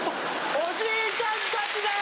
おじいちゃんたちです！